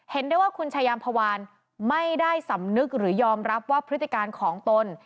ได้ว่าคุณชายามพวานไม่ได้สำนึกหรือยอมรับว่าพฤติการของตน